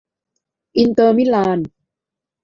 อินเตอร์ มิลาน